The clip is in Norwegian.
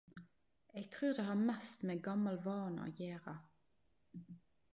Eg trur det har mest med gammal vane å gjere.